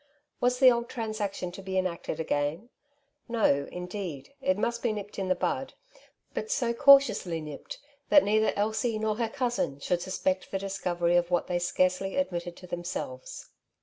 Was the old transaction to be enacted again ? No, indeed, it must be nipped in the bud, but so cautiously nipped that neither Elsie nor her cousin should suspect the discovery of what they scarcely admitted to themselves.